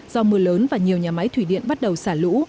do mưa lớn và nhiều nhà máy thủy điện bắt đầu xả lũ